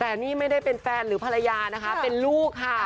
แต่นี่ไม่ได้เป็นแฟนหรือภรรยานะคะเป็นลูกค่ะ